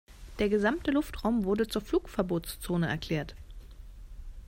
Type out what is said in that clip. Der gesamte Luftraum wurde zur Flugverbotszone erklärt.